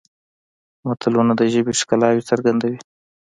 متلونه د ژبې ښکلاوې څرګندوي